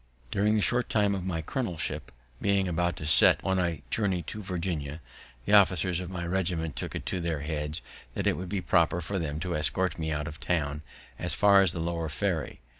During this short time of my colonelship, being about to set out on a journey to Virginia, the officers of my regiment took it into their heads that it would be proper for them to escort me out of town, as far as the Lower Ferry.